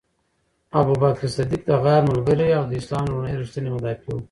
ابوبکر صدیق د غار ملګری او د اسلام لومړنی ریښتینی مدافع و.